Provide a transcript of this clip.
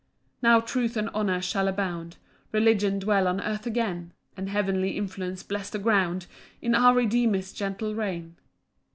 3 Now truth and honour shall abound, Religion dwell on earth again, And heavenly influence bless the ground In our Redeemer's gentle reign.